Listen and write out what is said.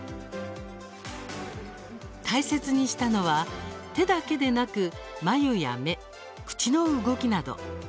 大切にしたのは、手だけでなく眉や目、口の動きなど。